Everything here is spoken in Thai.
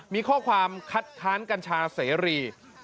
มีข้อความคัดค้านกัญชาเสรี